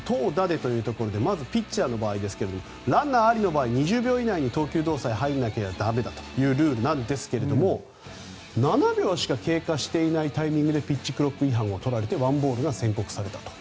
投打でということでまずピッチャーですがランナーがいる場合２０秒以内に投球動作に入らなければいけないということですが７秒しか経過していないタイミングでピッチクロック違反が取られて１ボールが宣告されたと。